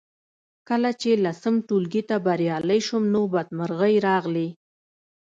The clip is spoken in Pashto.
کله چې لسم ټولګي ته بریالۍ شوم نو بدمرغۍ راغلې